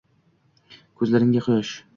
Ko’zlaringda quyosh